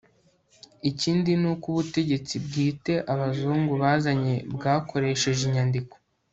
ikindi ni uko ubutegetsi bwite abazungu bazanye bwakoresheje inyandiko